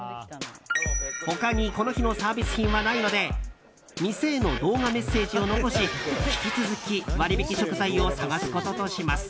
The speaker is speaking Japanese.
他にこの日のサービス品はないので店への動画メッセージを残し引き続き、割引食材を探すこととします。